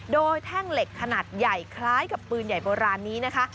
โดยแท่งเหล็กขนาดใหญ่คล้ายกับปืนใหญ่โบราณนี้นะคะ